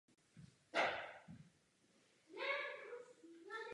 Mladé Italské království se snažilo budovat vlastní koloniální říši.